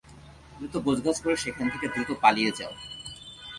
দ্রুত গোছগাছ করে সেখান থেকে দ্রুত পালিয়ে যাও!